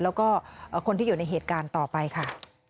แล้วก็คนที่อยู่ในเหตุการณ์ต่อไปค่ะ